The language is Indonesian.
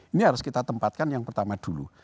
ini harus kita tempatkan yang pertama dulu